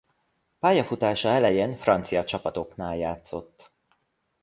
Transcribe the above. Pályafutása elején francia csapatoknál játszott.